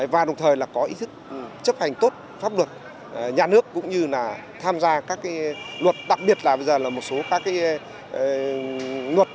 và đồng thời là có ý thức chấp hành tốt pháp luật nhà nước cũng như là tham gia các luật đặc biệt là bây giờ là một số các luật